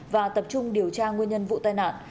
và tập trung điều tra nguyên nhân vụ tai nạn